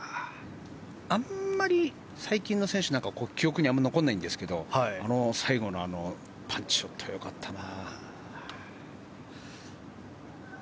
あんまり最近の選手は記憶に残らないんですけど最後のパンチショットはすごかったな。